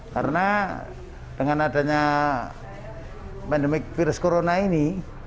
karena dengan adanya pandemi virus corona ini